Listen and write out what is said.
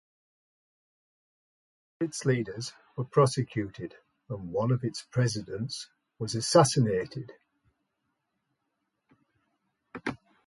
Several of its leaders were prosecuted and one of its presidents was assassinated.